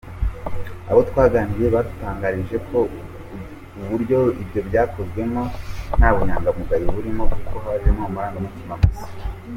Abo twaganiriye badutangarije ko uburyo ibyo byakozwemo nta bunyangamugayo burimo, kuko hajemo amarangamutima gusa.